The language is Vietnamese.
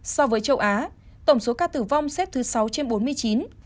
so với châu á tổng số ca tử vong xếp thứ sáu trên bốn mươi chín